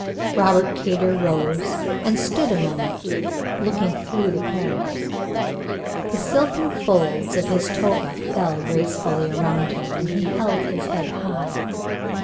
'" Robert Kater rose and stood a moment looking through the palms. The silken folds of his toga fell gracefully around him, and he held his head high.